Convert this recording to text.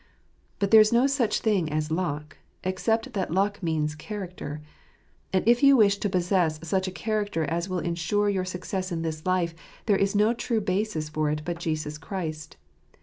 But there is no such thing as luck, except that luck means character. And if you wish to possess such a character as will insure your success in this life, there is no true basis for it but Jesus Christ.